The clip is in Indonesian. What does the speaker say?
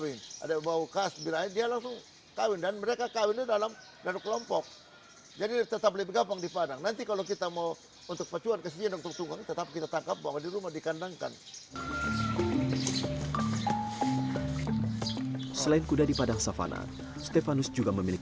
itu ada kapal pecah di daerah timur sana di apa di kecamatan mangili